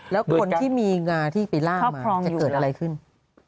แล้วคนที่มีงาที่ไปล่าวมาเค้าพร้อมอยู่หรอ